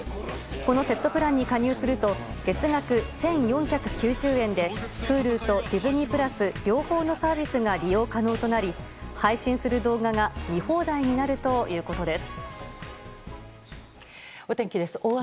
このセットプランに加入すると、月額１４９０円でＨｕｌｕとディズニープラス両方のサービスが利用可能となり、配信する動画が見放題になるということです。